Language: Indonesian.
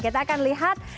kita akan lihat